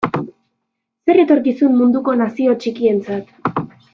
Zer etorkizun munduko nazio txikientzat?